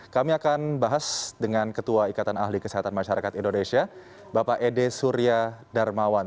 kami akan bahas dengan ketua ikatan ahli kesehatan masyarakat indonesia bapak ede surya darmawan